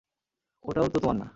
ওটাও তো তোমার না?